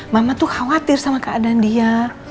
mama tuh khawatir sama keadaan dia